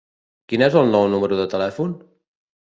Quin és el nou número de telèfon?